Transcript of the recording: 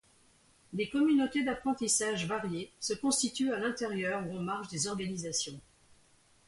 Des communautés d'apprentissage variées se constituent à l'intérieur ou en marge des organisations.